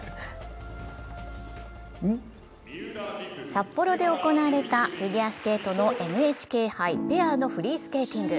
札幌で行われたフィギュアスケートのＮＨＫ杯、ペアのフリースケーティング。